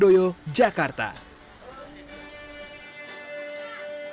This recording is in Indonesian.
selamat berbuka puasa